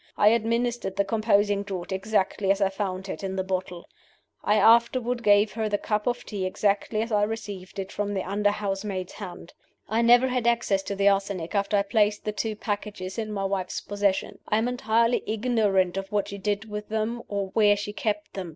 I administered the composing draught exactly as I found it in the bottle. I afterward gave her the cup of tea exactly as I received it from the under housemaid's hand. I never had access to the arsenic after I placed the two packages in my wife's possession. I am entirely ignorant of what she did with them or of where she kept them.